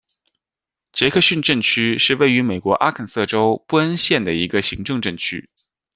杰克逊镇区是位于美国阿肯色州布恩县的一个行政镇区。